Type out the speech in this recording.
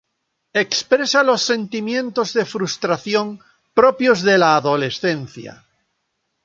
Expresa los sentimientos de frustración propios de la adolescencia.